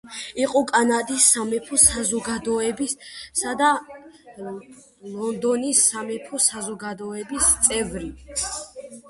იყო კანადის სამეფო საზოგადოებისა და ლონდონის სამეფო საზოგადოების წევრი.